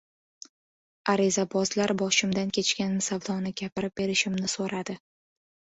Arizabozlar boshimdan kechgan savdoni gapirib berishimni so‘radi.